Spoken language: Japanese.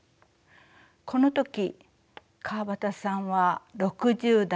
この時川端さんは６０代半ば。